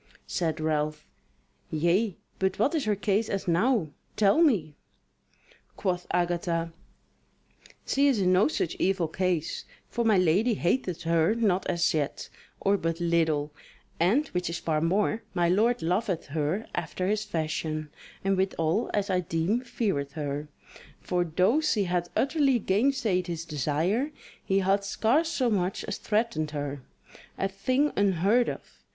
Said Ralph: "Yea, but what is her case as now? tell me." Quoth Agatha: "She is in no such evil case; for my lady hateth her not as yet, or but little; and, which is far more, my lord loveth her after his fashion, and withal as I deem feareth her; for though she hath utterly gainsaid his desire, he hath scarce so much as threatened her. A thing unheard of.